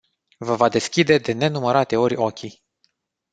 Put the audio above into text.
Vă va deschide de nenumărate ori ochii.